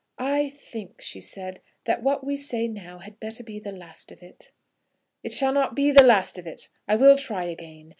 "I think," she said, "that what we now say had better be the last of it." "It shall not be the last of it. I will try again.